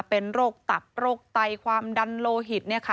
เป็นโรคตับโรคไตความดันโลหิต